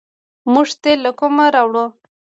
موږ تیل له کومه راوړو؟